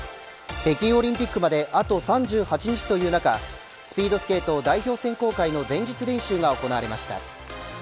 北京オリンピックまであと３８日という中スピードスケート代表選考会の前日練習が行われました。